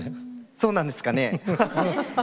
そうなんですかね？